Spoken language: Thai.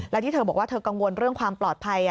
แล้วที่เธอบอกว่าเธอกังวลเรื่องความปลอดภัย